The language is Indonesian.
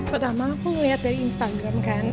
pertama aku ngeliat dari instagram kan